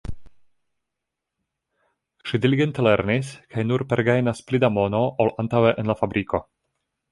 Ŝi diligente lernis kaj nun pergajnas pli da mono ol antaŭe en la fabriko.